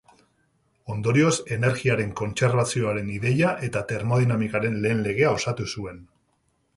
Ondorioz energiaren kontserbazioaren ideia eta termodinamikaren lehen legea osatu zuen.